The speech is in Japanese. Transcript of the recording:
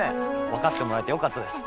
分かってもらえてよかったです。